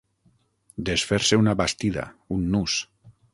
Desfer-se una bastida, un nus.